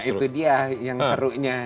itu dia yang serunya